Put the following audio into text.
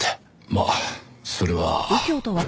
まあそれは。